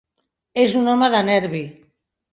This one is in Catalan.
És un home de nervi.